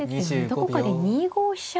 どこかで２五飛車